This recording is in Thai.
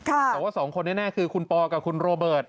แต่ว่า๒คนนี่แน่คือคุณปอล์กับคุณโรเบิร์ต